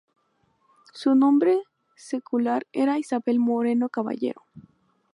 Su nombre secular era Isabel Moreno Caballero.